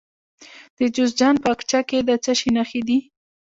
د جوزجان په اقچه کې د څه شي نښې دي؟